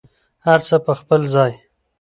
هر څه په خپل ځای.